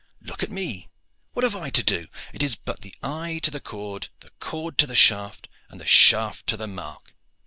Look at me what have I to do? It is but the eye to the cord, the cord to the shaft, and the shaft to the mark.